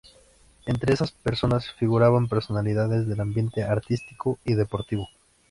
Entre esas personas figuraban personalidades del ambiente artístico y deportivo.